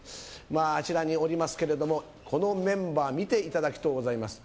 まあ、あちらにおりますけれども、このメンバー見ていただきとうございます。